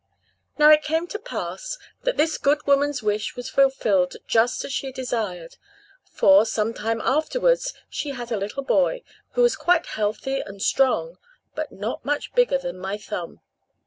Now it came to pass that this good woman's wish was fulfilled just as she desired; for, some time afterwards, she had a little boy, who was quite healthy and strong, but not much bigger than my thumb.